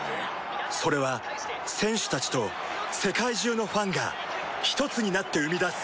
それは選手たちと世界中のファンがひとつになって生み出す